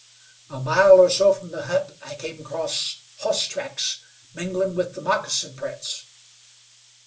A mile or so from the hut I came across hoss tracks minglin' with the moccasin prints.